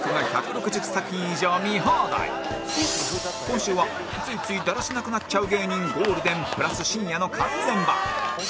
今週はついついダラしなくなっちゃう芸人ゴールデンプラス深夜の完全版